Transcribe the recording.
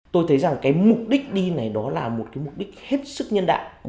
tôi thấy rằng cái mục đích đi này đó là một cái mục đích hết sức nhân đạo